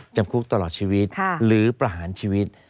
จำคุกตลอดชีวิตหรือประหารชีวิต